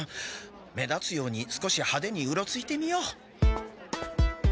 目立つように少しはでにうろついてみよう。